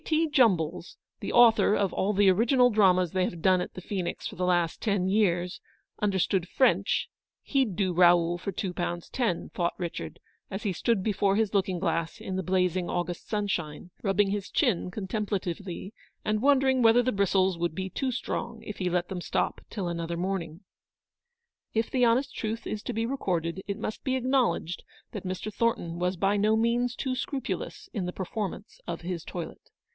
T. Jumballs, the author of all the original dramas they have done at the Phoenix for the last ten years, understood French, he'd do ' RaouF for two pound ten," thought Richard, as he stood before his looking glass in the blazing August sunshine, rubbing his chin con templatively, and wondering whether the bristles would be too strong if he let them stop till another morning. If the honest truth is to be recorded, it must be acknowledged that Mr. Thornton was by no means too scrupulous in the performance of his toilet.